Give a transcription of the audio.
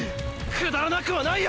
くだらなくはないよ！！